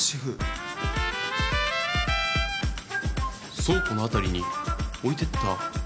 「倉庫の辺りに置いてった」